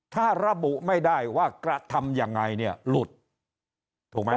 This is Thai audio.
ถ้าระบุไม่ได้ว่ากระทำยังไงเนี่ยหลุดถูกไหม